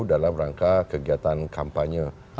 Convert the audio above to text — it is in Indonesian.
dalam rangka kegiatan kampanye